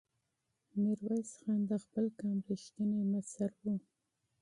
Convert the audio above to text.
میرویس خان د خپل قوم رښتینی مشر و.